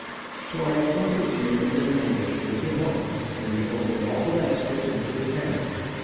So I appointed Jim and an Irishman to help me, and we opened all the baskets and took half.